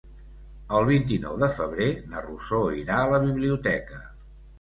El vint-i-nou de febrer na Rosó irà a la biblioteca.